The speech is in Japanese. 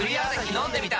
飲んでみた！